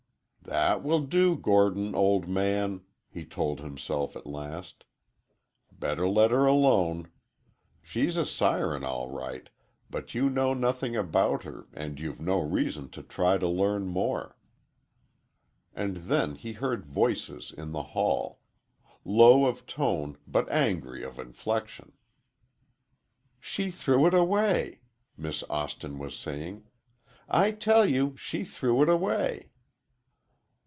"That will do, Gordon, old man," he told himself at last. Better let her alone. She's a siren all right, but you know nothing about her, and you've no reason to try to learn more. And then he heard voices in the hall. Low of tone, but angry of inflection. "She threw it away!" Miss Austin was saying; "I tell you she threw it away!"